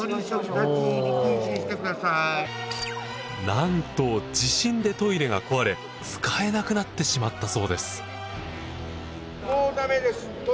なんと地震でトイレが壊れ使えなくなってしまったそうです。